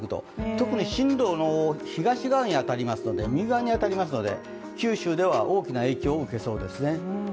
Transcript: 特に進路の東側、右側にあたりますので九州では大きな影響を受けそうですね。